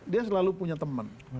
dia selalu punya teman